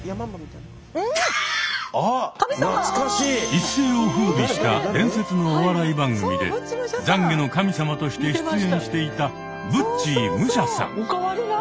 一世をふうびした伝説のお笑い番組で「懺悔の神様」として出演していたブッチー武者さん。